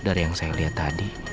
dari yang saya lihat tadi